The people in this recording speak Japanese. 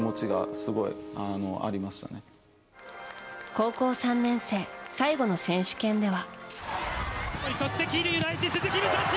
高校３年生最後の選手権では。